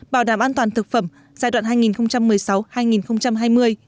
bảo đảm an toàn thực phẩm giai đoạn hai nghìn một mươi sáu hai nghìn hai mươi